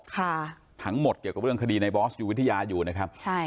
ค่ะทั้งหมดเกี่ยวกับเรื่องคดีในบอสอยู่วิทยาอยู่นะครับใช่